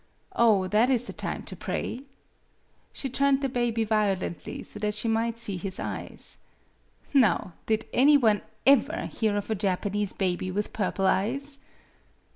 Oh, that is the time to pray! " She turned the baby violently so that she might see his eyes. " Now did any one ever hear of a Japanese baby with purple eyes